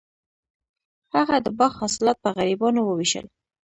هغه د باغ حاصلات په غریبانو وویشل.